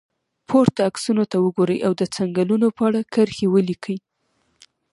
پورته عکسونو ته وګورئ او د څنګلونو په اړه کرښې ولیکئ.